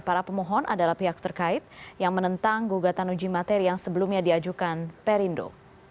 para pemohon adalah pihak terkait yang menentang gugatan uji materi yang sebelumnya diajukan perindo